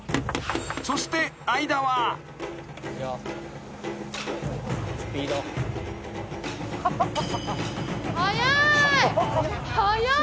［そして相田は］速い。